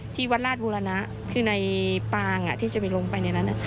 ที่วัดราชบูรณะคือในปางที่จะไปลงไปในนั้น